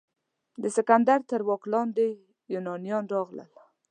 د سکندر تر واک لاندې یونانیان راغلي.